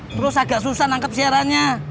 terus agak susah nangkep siarannya